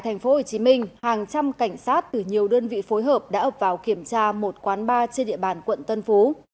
thành phố hồ chí minh hàng trăm cảnh sát từ nhiều đơn vị phối hợp đã ập vào kiểm tra một quán bar trên địa bàn quận tân phú